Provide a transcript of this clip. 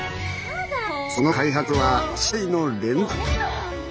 その開発は失敗の連続。